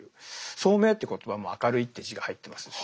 「聡明」って言葉も「明るい」って字が入ってますね。